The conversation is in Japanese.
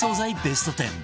ベスト１０